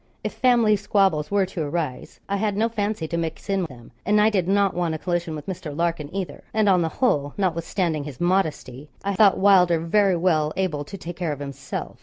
If family squabbles were to arise, I had no fancy to mix in them; and I did not want a collision with Mr. Larkin either; and, on the whole, notwithstanding his modesty, I thought Wylder very well able to take care of himself.